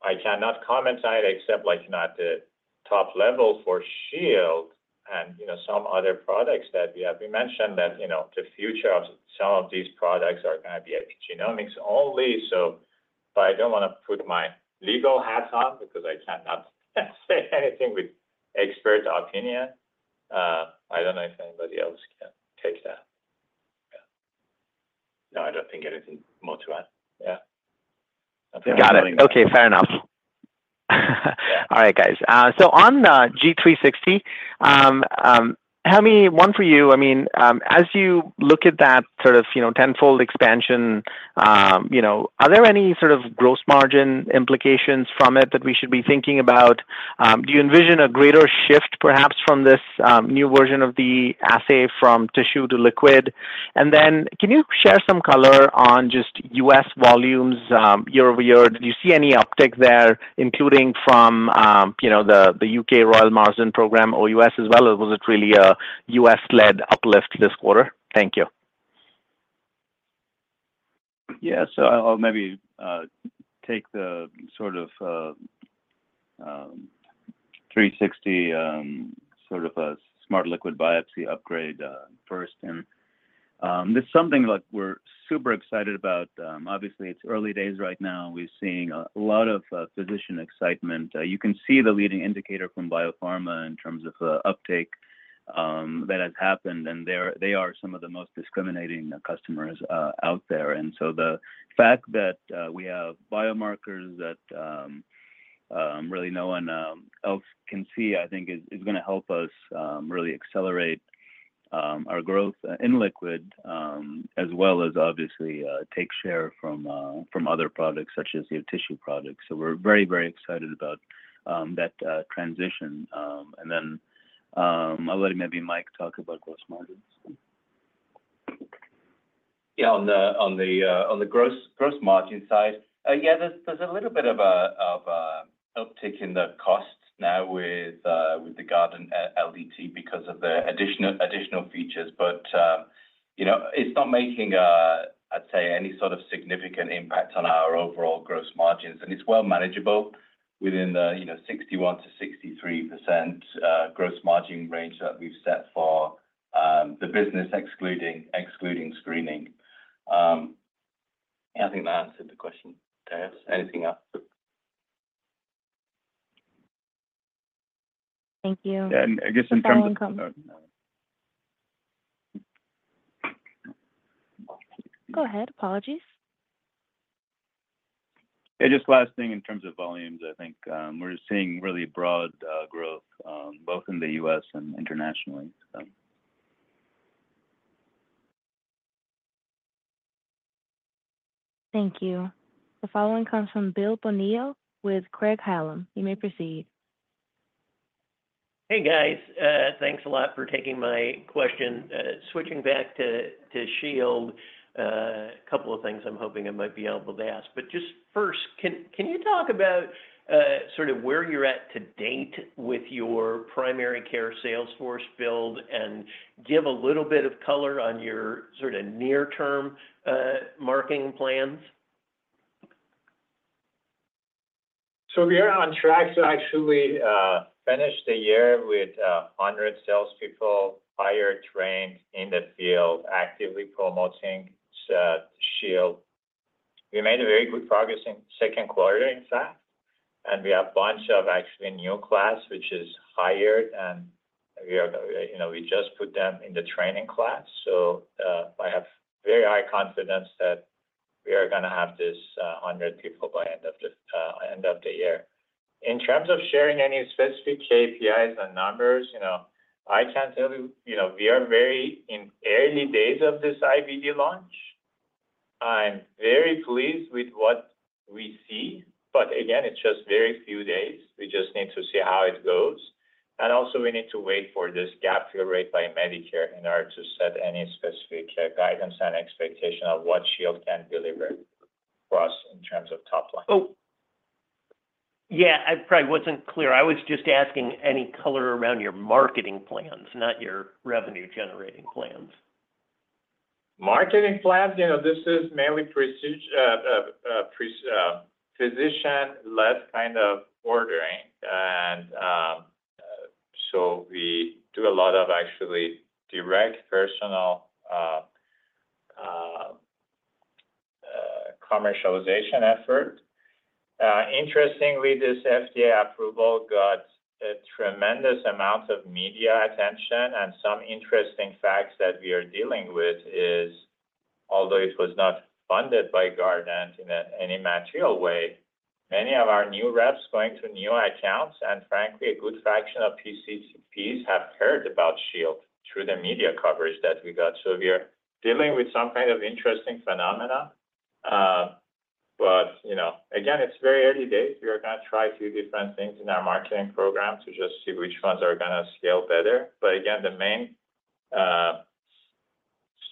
I cannot comment on it except like not the top level for Shield and, you know, some other products that we have. We mentioned that, you know, the future of some of these products are going to be epigenomics only. So I don't want to put my legal hat on because I cannot say anything with expert opinion. I don't know if anybody else can take that. No, I don't think anything more to add. Yeah. Got it. Okay, fair enough. All right, guys. So on G360, tell me one for you. I mean, as you look at that sort of, you know, tenfold expansion, you know, are there any sort of gross margin implications from it that we should be thinking about? Do you envision a greater shift perhaps from this new version of the assay from tissue to liquid? And then can you share some color on just U.S. volumes year-over-year? Did you see any uptick there, including from, you know, the U.K. Royal Marsden program or U.S. as well? Or was it really a U.S.-led uplift this quarter? Thank you. Yeah, so I'll maybe take the sort of 360 sort of a smart liquid biopsy upgrade first. And it's something like we're super excited about. Obviously, it's early days right now. We're seeing a lot of physician excitement. You can see the leading indicator from biopharma in terms of the uptake that has happened. And they are some of the most discriminating customers out there. And so the fact that we have biomarkers that really no one else can see, I think is going to help us really accelerate our growth in liquid, as well as obviously take share from other products such as your tissue products. So we're very, very excited about that transition. Then I'll let maybe Mike talk about gross margins. Yeah, on the gross margin side, yeah, there's a little bit of an uptick in the cost now with the Guardant LDT because of the additional features. But, you know, it's not making, I'd say, any sort of significant impact on our overall gross margins. And it's well manageable within the, you know, 61%-63% gross margin range that we've set for the business, excluding screening. I think that answered the question. Anything else? Thank you. And I guess in terms of— Go ahead. Apologies. Yeah, just last thing in terms of volumes, I think we're seeing really broad growth both in the US and internationally. Thank you. The following comes from Bill Bonello with Craig-Hallum. You may proceed. Hey, guys. Thanks a lot for taking my question. Switching back to Shield, a couple of things I'm hoping I might be able to ask. But just first, can you talk about sort of where you're at to date with your primary care sales force build and give a little bit of color on your sort of near-term marketing plans? So we are on track to actually finish the year with 100 salespeople hired, trained in the field, actively promoting Shield. We made very good progress in second quarter in fact. And we have a bunch of actually new class, which is hired. And we are, you know, we just put them in the training class. So I have very high confidence that we are going to have this 100 people by the end of the year. In terms of sharing any specific KPIs and numbers, you know, I can tell you, you know, we are very in the early days of this IVD launch. I'm very pleased with what we see. But again, it's just very few days. We just need to see how it goes. And also we need to wait for this gapfill rate by Medicare in order to set any specific guidance and expectation of what Shield can deliver for us in terms of top line. Yeah, I probably wasn't clear. I was just asking any color around your marketing plans, not your revenue-generating plans. Marketing plans, you know, this is mainly physician-led kind of ordering. And so we do a lot of actually direct personal commercialization effort. Interestingly, this FDA approval got a tremendous amount of media attention. Some interesting facts that we are dealing with is, although it was not funded by Guardant in any material way, many of our new reps going through new accounts. And frankly, a good fraction of PCPs have heard about Shield through the media coverage that we got. So we are dealing with some kind of interesting phenomena. But, you know, again, it's very early days. We are going to try a few different things in our marketing program to just see which ones are going to scale better. But again, the main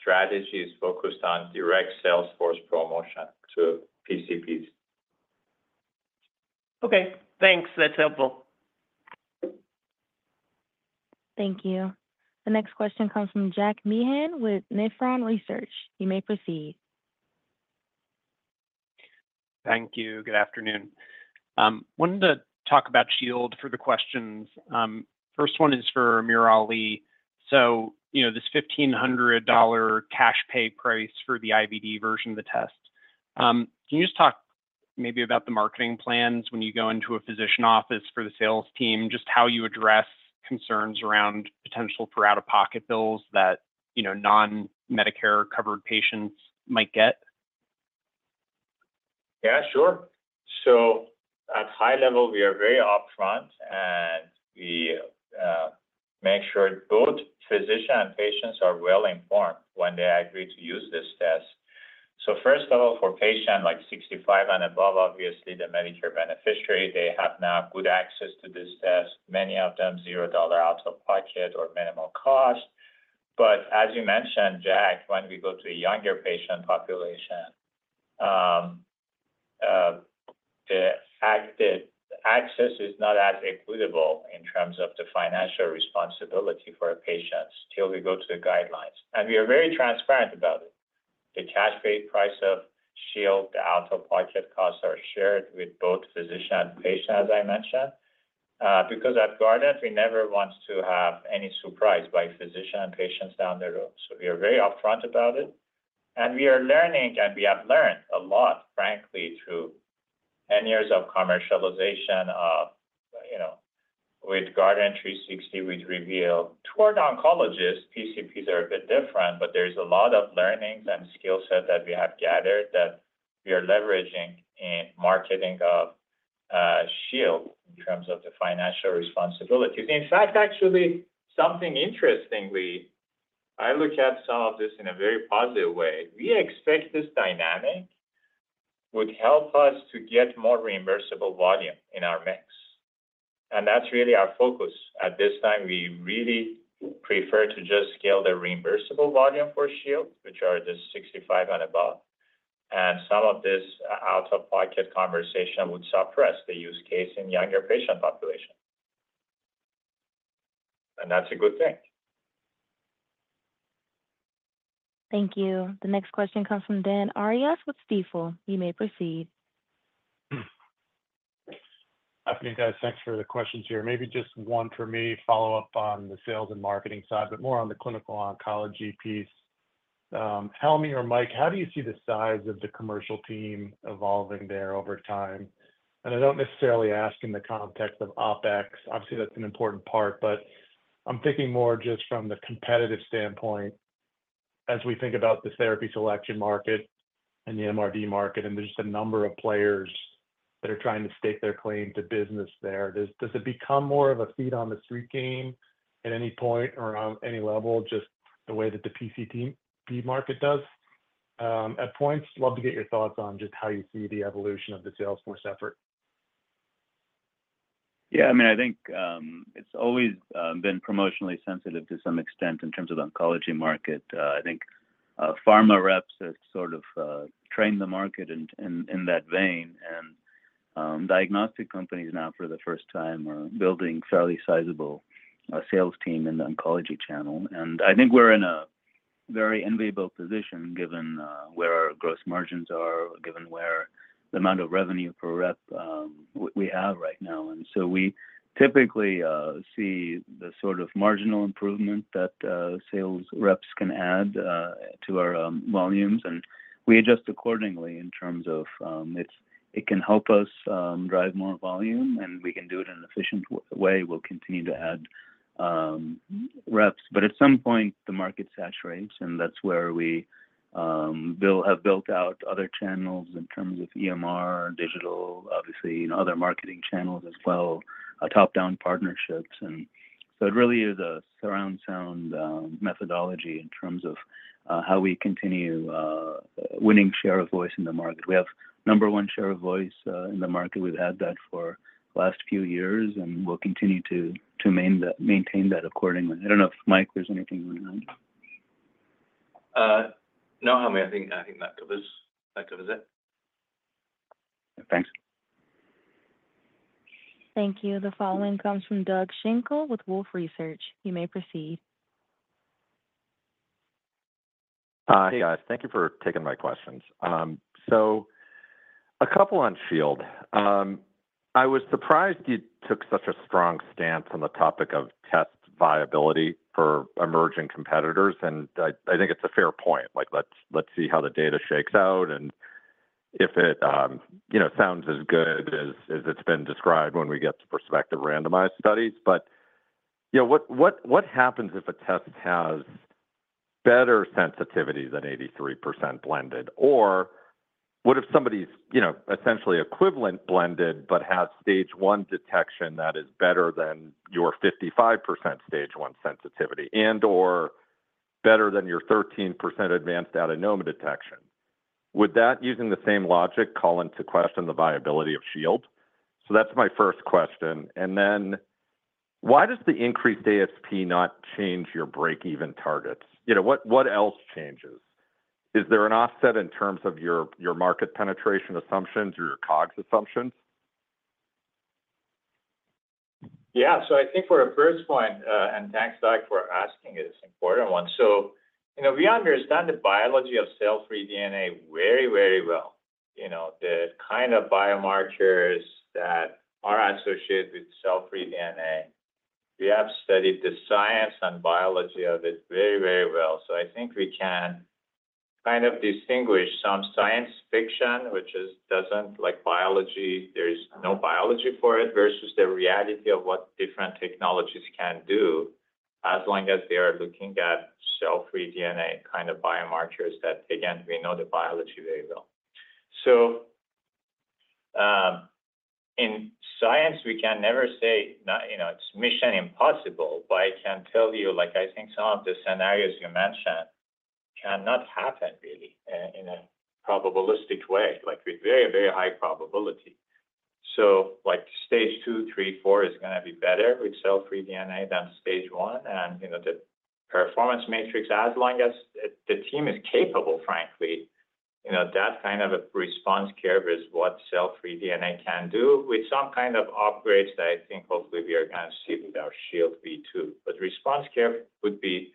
strategy is focused on direct sales force promotion to PCPs. Okay. Thanks. That's helpful. Thank you. The next question comes from Jack Meehan with Nephron Research. You may proceed. Thank you. Good afternoon. I wanted to talk about Shield for the questions. First one is for AmirAli. So, you know, this $1,500 cash pay price for the IVD version of the test. Can you just talk maybe about the marketing plans when you go into a physician office for the sales team, just how you address concerns around potential for out-of-pocket bills that, you know, non-Medicare covered patients might get? Yeah, sure. So at high level, we are very upfront and we make sure both physicians and patients are well informed when they agree to use this test. So first of all, for patients like 65 and above, obviously the Medicare beneficiaries, they have now good access to this test, many of them $0 out of pocket or minimal cost. But as you mentioned, Jack, when we go to a younger patient population, access is not as equitable in terms of the financial responsibility for patients till we go to the guidelines. We are very transparent about it. The cash pay price of Shield, the out-of-pocket costs are shared with both physician and patient, as I mentioned. Because at Guardant, we never want to have any surprise by physician and patients down the road. So we are very upfront about it. And we are learning, and we have learned a lot, frankly, through 10 years of commercialization of, you know, with Guardant360, with Guardant Reveal. Toward oncologists, PCPs are a bit different, but there's a lot of learning and skill set that we have gathered that we are leveraging in marketing of Shield in terms of the financial responsibility. In fact, actually, something interestingly, I look at some of this in a very positive way. We expect this dynamic would help us to get more reimbursable volume in our mix. And that's really our focus at this time. We really prefer to just scale the reimbursable volume for Shield, which are the 65 and above. And some of this out-of-pocket conversation would suppress the use case in younger patient population. And that's a good thing. Thank you. The next question comes from Dan Arias with Stifel. You may proceed. Operator, thanks for the questions here. Maybe just one for me, follow-up on the sales and marketing side, but more on the clinical oncology piece. Helmy or Mike, how do you see the size of the commercial team evolving there over time? And I don't necessarily ask in the context of OpEx. Obviously, that's an important part, but I'm thinking more just from the competitive standpoint as we think about the therapy selection market and the MRD market and there's just a number of players that are trying to stake their claim to business there. Does it become more of a feet on the street game at any point or on any level, just the way that the PCP market does? At points, love to get your thoughts on just how you see the evolution of the salesforce effort. Yeah, I mean, I think it's always been promotionally sensitive to some extent in terms of the oncology market. I think pharma reps have sort of trained the market in that vein. And diagnostic companies now for the first time are building fairly sizable sales team in the oncology channel. And I think we're in a very enviable position given where our gross margins are, given where the amount of revenue per rep we have right now. And so we typically see the sort of marginal improvement that sales reps can add to our volumes. And we adjust accordingly in terms of it can help us drive more volume and we can do it in an efficient way. We'll continue to add reps. But at some point, the market saturates and that's where we have built out other channels in terms of EMR, digital, obviously, you know, other marketing channels as well, top-down partnerships. And so it really is a surround sound methodology in terms of how we continue winning share of voice in the market. We have number one share of voice in the market. We've had that for the last few years and we'll continue to maintain that accordingly. I don't know if Mike, there's anything on that. No, I mean, I think that covers it. Thanks. Thank you. The following comes from Doug Schenkel with Wolfe Research. You may proceed. Hi, guys. Thank you for taking my questions. So a couple on Shield. I was surprised you took such a strong stance on the topic of test viability for emerging competitors. And I think it's a fair point. Like, let's see how the data shakes out and if it, you know, sounds as good as it's been described when we get to prospective randomized studies. But, you know, what happens if a test has better sensitivity than 83% blended? Or what if somebody's, you know, essentially equivalent blended but has stage one detection that is better than your 55% stage one sensitivity and/or better than your 13% advanced adenoma detection? Would that, using the same logic, call into question the viability of Shield? So that's my first question. And then why does the increased ASP not change your break-even targets? You know, what else changes? Is there an offset in terms of your market penetration assumptions or your COGS assumptions? Yeah, so I think for a first one, and thanks, Doug, for asking, it's an important one. So, you know, we understand the biology of cell-free DNA very, very well. You know, the kind of biomarkers that are associated with cell-free DNA, we have studied the science and biology of it very, very well. So I think we can kind of distinguish some science fiction, which is, doesn't like biology, there's no biology for it versus the reality of what different technologies can do as long as they are looking at cell-free DNA kind of biomarkers that, again, we know the biology very well. So in science, we can never say, you know, it's mission impossible, but I can tell you, like, I think some of the scenarios you mentioned cannot happen really in a probabilistic way, like with very, very high probability. So like stage 2, 3, 4 is going to be better with cell-free DNA than stage one. And, you know, the performance matrix, as long as the team is capable, frankly, you know, that kind of a response curve is what cell-free DNA can do with some kind of upgrades that I think hopefully we are going to see with our Shield V2. But response curve would be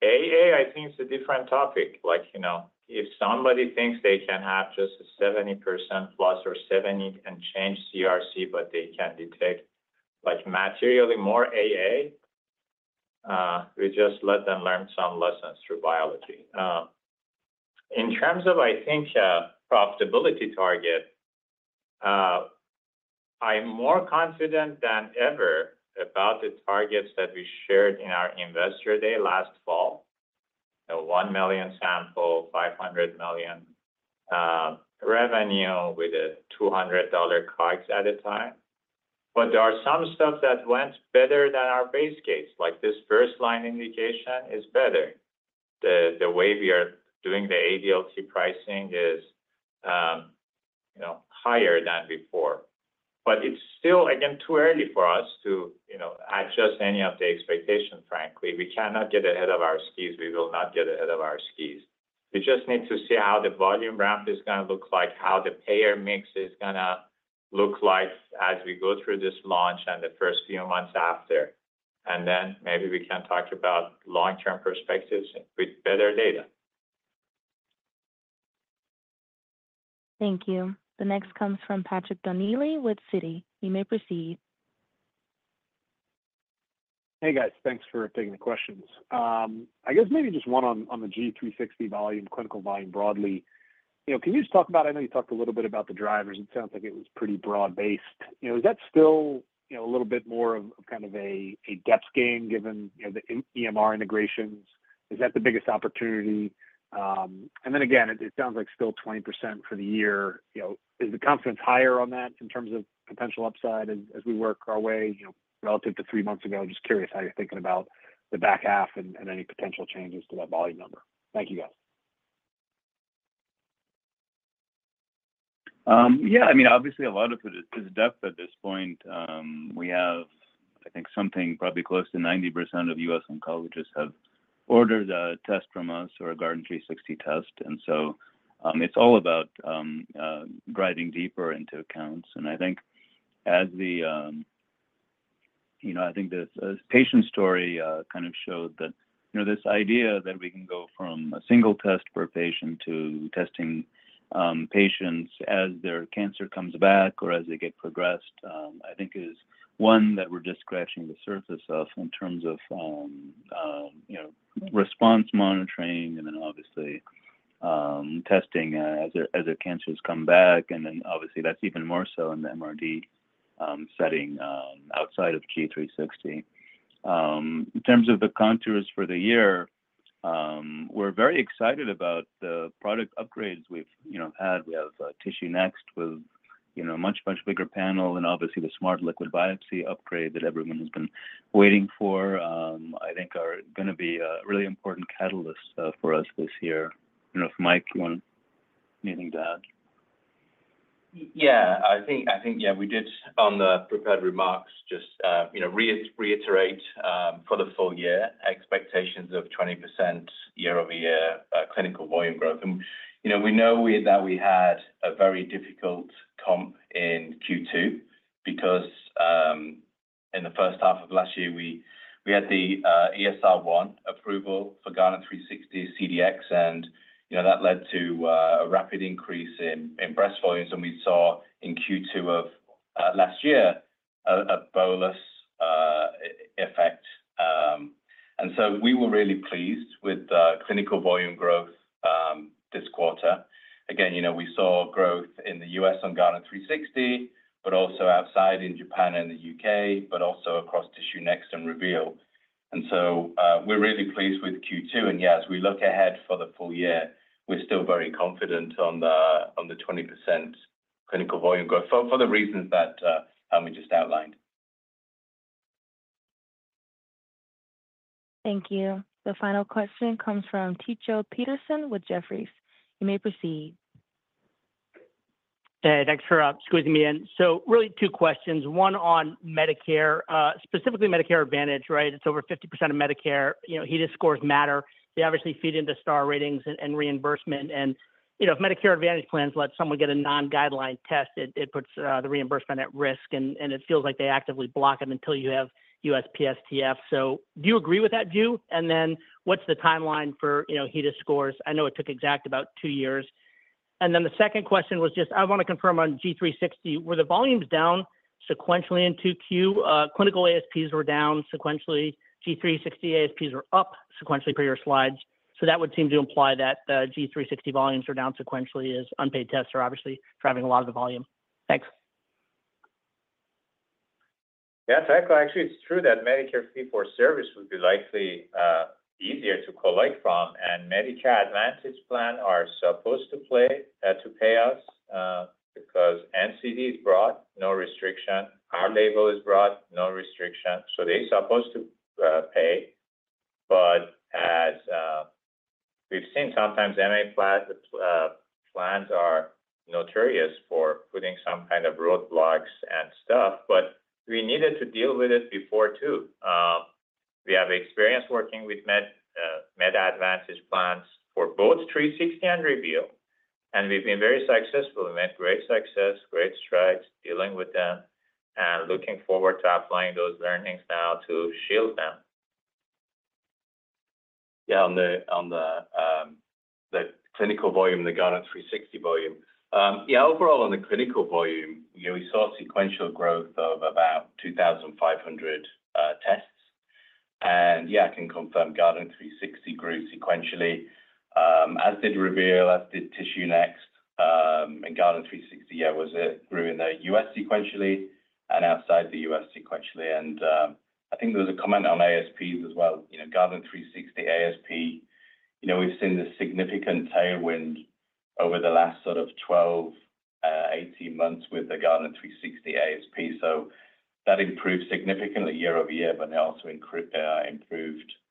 similar. AA, I think it's a different topic. Like, you know, if somebody thinks they can have just a 70%+ or 70 and change CRC, but they can detect like materially more AA, we just let them learn some lessons through biology. In terms of, I think, profitability target, I'm more confident than ever about the targets that we shared in our investor day last fall, a 1 million sample, $500 million revenue with a $200 COGS at a time. But there are some stuff that went better than our base case. Like this first-line indication is better. The way we are doing the ADLT pricing is, you know, higher than before. But it's still, again, too early for us to, you know, adjust any of the expectations, frankly. We cannot get ahead of our skis. We will not get ahead of our skis. We just need to see how the volume ramp is going to look like, how the payer mix is going to look like as we go through this launch and the first few months after. And then maybe we can talk about long-term perspectives with better data. Thank you. The next comes from Patrick Donnelly with Citi. You may proceed. Hey guys, thanks for taking the questions. I guess maybe just one on the G360 volume, clinical volume broadly. You know, can you just talk about, I know you talked a little bit about the drivers. It sounds like it was pretty broad-based. You know, is that still, you know, a little bit more of kind of a depth game given, you know, the EMR integrations? Is that the biggest opportunity? And then again, it sounds like still 20% for the year. You know, is the confidence higher on that in terms of potential upside as we work our way, you know, relative to three months ago? Just curious how you're thinking about the back half and any potential changes to that volume number. Thank you, guys. Yeah, I mean, obviously a lot of it is depth at this point. We have, I think, something probably close to 90% of U.S. oncologists have ordered a test from us or a Guardant360 test. And so it's all about driving deeper into accounts. And I think as the, you know, I think the patient story kind of showed that, you know, this idea that we can go from a single test per patient to testing patients as their cancer comes back or as they get progressed, I think is one that we're just scratching the surface of in terms of, you know, response monitoring and then obviously testing as their cancers come back. And then obviously that's even more so in the MRD setting outside of G360. In terms of the contours for the year, we're very excited about the product upgrades we've, you know, had. We have TissueNext with, you know, a much, much bigger panel and obviously the Smart Liquid Biopsy upgrade that everyone has been waiting for. I think are going to be a really important catalyst for us this year. You know, if Mike, you want anything to add? Yeah, I think, yeah, we did on the prepared remarks just, you know, reiterate for the full year expectations of 20% year-over-year clinical volume growth. You know, we know that we had a very difficult comp in Q2 because in the first half of last year, we had the ESR1 approval for Guardant360 CDx. You know, that led to a rapid increase in breast volumes. We saw in Q2 of last year a bolus effect. So we were really pleased with clinical volume growth this quarter. Again, you know, we saw growth in the U.S. on Guardant360, but also outside in Japan and the UK, but also across TissueNext and Reveal. And so we're really pleased with Q2. And yeah, as we look ahead for the full year, we're still very confident on the 20% clinical volume growth for the reasons that we just outlined. Thank you. The final question comes from Tycho Peterson with Jefferies. You may proceed. Okay, thanks for squeezing me in. So really two questions. One on Medicare, specifically Medicare Advantage, right? It's over 50% of Medicare. You know, HEDIS scores matter. They obviously feed into Star Ratings and reimbursement. And, you know, if Medicare Advantage plans let someone get a non-guideline test, it puts the reimbursement at risk. And it feels like they actively block it until you have USPSTF. So do you agree with that, you? Then what's the timeline for, you know, HEDIS scores? I know it took Exact about two years. Then the second question was just, I want to confirm on G360, were the volumes down sequentially in Q2? Clinical ASPs were down sequentially. G360 ASPs were up sequentially per your slides. So that would seem to imply that the G360 volumes are down sequentially as unpaid tests are obviously driving a lot of the volume. Thanks. Yeah, exactly. Actually, it's true that Medicare Fee-for-Service would be likely easier to collect from. And Medicare Advantage plans are supposed to pay us because NCD is broad, no restriction. Our label is broad, no restriction. So they're supposed to pay. But we've seen sometimes MA plans are notorious for putting some kind of roadblocks and stuff. But we needed to deal with it before too. We have experience working with Medicare Advantage plans for both 360 and Reveal. And we've been very successful. We've had great success, great strides dealing with them and looking forward to applying those learnings now to Shield. Yeah, on the clinical volume, the Guardant360 volume. Yeah, overall on the clinical volume, you know, we saw a sequential growth of about 2,500 tests. And yeah, I can confirm Guardant360 grew sequentially as did Reveal, as did TissueNext. And Guardant360, yeah, was it grew in the U.S. sequentially and outside the U.S. sequentially. And I think there was a comment on ASPs as well. You know, Guardant360 ASP, you know, we've seen the significant tailwind over the last sort of 12, 18 months with the Guardant360 ASP. So that improved significantly year-over-year, but they also improved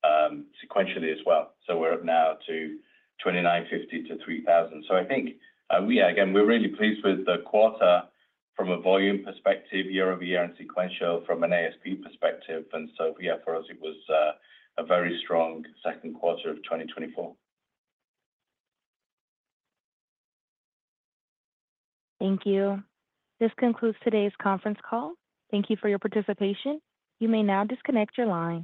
sequentially as well. So we're up now to 2,950-3,000. So I think, yeah, again, we're really pleased with the quarter from a volume perspective, year over year and sequential from an ASP perspective. And so, yeah, for us, it was a very strong second quarter of 2024. Thank you. This concludes today's conference call. Thank you for your participation. You may now disconnect your line.